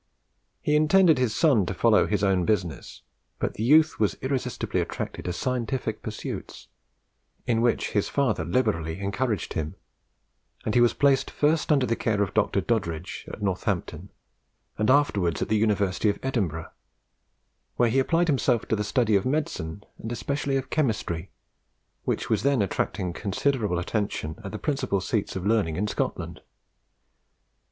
He intended his son to follow his own business, but the youth was irresistibly attracted to scientific pursuits, in which his father liberally encouraged him; and he was placed first under the care of Dr. Doddridge, at Northampton, and afterwards at the University of Edinburgh, where he applied himself to the study of medicine, and especially of chemistry, which was then attracting considerable attention at the principal seats of learning in Scotland.